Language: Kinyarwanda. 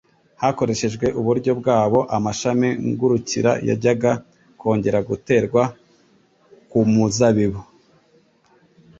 Hakoreshejwe uburyo bwabo, amashami ngurukira yajyaga kongera guterwa ku muzabibu.